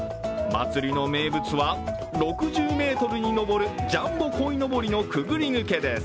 祭りの名物は、６０ｍにのぼるジャンボこいのぼりのくぐり抜けです。